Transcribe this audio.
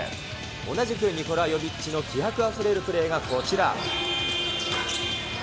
同じくニコラ・ヨビッチの気迫あふれるプレーがこちら。